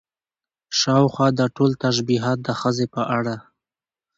شاوخوا دا ټول تشبيهات د ښځې په اړه